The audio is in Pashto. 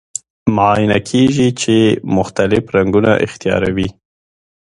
معاینه کیږي چې مختلف رنګونه اختیاروي.